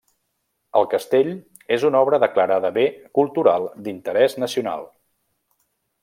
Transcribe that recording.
El castell és una obra declarada bé cultural d'interès nacional.